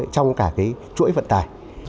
trong cả cái chuỗi vận tải